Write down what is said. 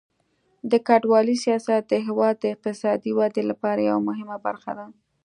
د کډوالۍ سیاست د هیواد د اقتصادي ودې لپاره یوه مهمه برخه ده.